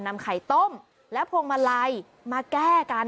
นำไข่ต้มและพวงมาลัยมาแก้กัน